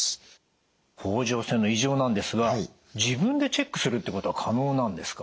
甲状腺の異常なんですが自分でチェックするってことは可能なんですか？